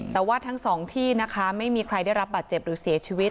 แต่ว่าทั้งสองที่นะคะไม่มีใครได้รับบาดเจ็บหรือเสียชีวิต